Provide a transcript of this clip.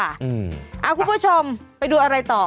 คุณผู้ชมไปดูอะไรต่อ